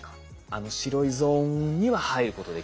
あの白いゾーンには入ることできない。